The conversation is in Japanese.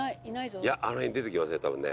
いやあの辺に出てきますね多分ね。